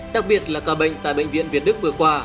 đặc biệt là ca bệnh tại bệnh viện việt đức vừa qua